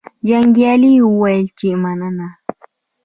جنګیالي وویل چې مننه.